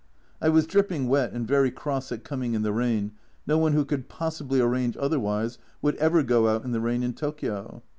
I was dripping wet and very cross at coming in the rain, no one who could possibly arrange otherwise would ever go out in the rain in Tokio.